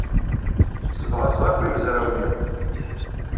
Ssebɣaseɣ akk imezrawen-inu.